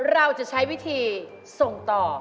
เราจะใช้วิธีส่งต่อ